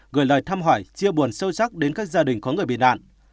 gửi lời thăm hỏi chia buồn sâu sắc đến các gia đình có người bị nạn